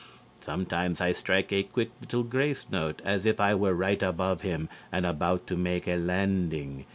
Sometimes I strike a quick little grace note, as if I were right above him and about to make a landing.